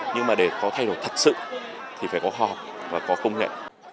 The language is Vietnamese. nhưng mà để có thay đổi thật sự thì phải có họp và có công nghệ